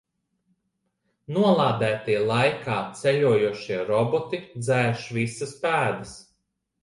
Nolādētie laikā ceļojošie roboti dzēš visas pēdas.